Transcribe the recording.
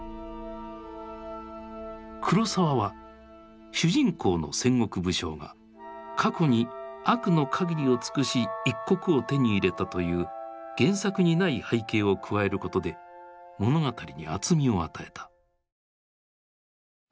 黒澤は主人公の戦国武将が過去に悪の限りを尽くし一国を手に入れたという原作にない背景を加えることで物語に厚みを与えた。